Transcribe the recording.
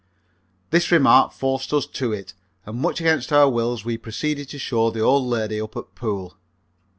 This remark forced us to it, and much against our wills we proceeded to show the old lady up at pool.